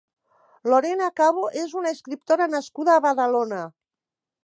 Lorena Cabo és una escriptora nascuda a Badalona.